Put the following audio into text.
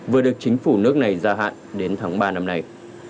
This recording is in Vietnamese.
vừa được chính phủ nước này gia hạn đến tháng ba năm nay